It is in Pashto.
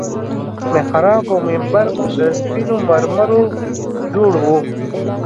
محراب او منبر له سپينو مرمرو جوړ وو.